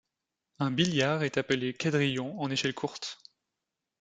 Un billiard est appelé quadrillion en échelle courte.